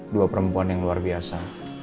dua perempuan yang luar biasa